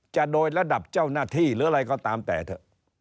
จะโดยระดับเจ้าหน้าที่หรืออะไรก็ตามแต่เถอะ